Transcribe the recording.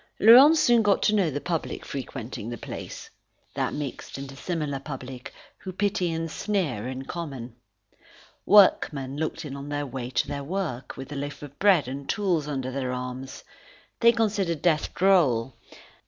Laurent soon got to know the public frequenting the place, that mixed and dissimilar public who pity and sneer in common. Workmen looked in on their way to their work, with a loaf of bread and tools under their arms. They considered death droll.